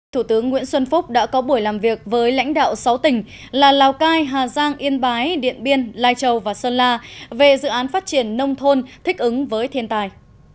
thủ tướng nguyễn xuân phúc đã có buổi làm việc với lãnh đạo sáu tỉnh là lào cai hà giang yên bái điện biên lai châu và sơn la về dự án phát triển nông thôn thích ứng với thiên tài